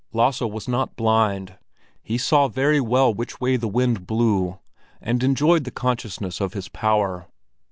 Lasse was not blind; he saw very well which way the wind blew, and enjoyed the consciousness of his power.